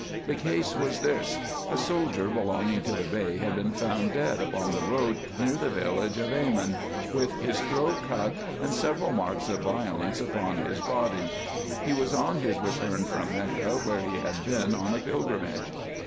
The case was tliis : a soldier belonging to the Bey had been found dead upon the road near the village of Acmin, with his throat cut, and several marks of violence upon his body. He was on his return from Mecca, where he had been on a pilgrimage.